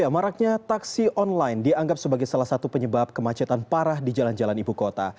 maraknya taksi online dianggap sebagai salah satu penyebab kemacetan parah di jalan jalan ibu kota